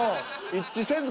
一致せず。